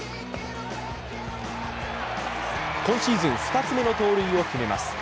今シーズン２つ目の盗塁を決めます。